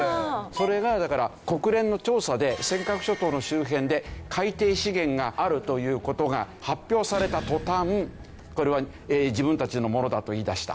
それがだから国連の調査で尖閣諸島の周辺で海底資源があるという事が発表された途端これは自分たちのものだと言いだした。